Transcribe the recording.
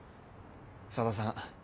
佐田さん